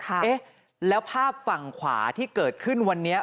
เอ๊ะแล้วภาพฝั่งขวาที่เกิดขึ้นวันนี้